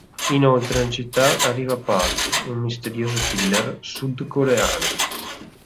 Inoltre in città arriva Park, un misterioso killer sud coreano.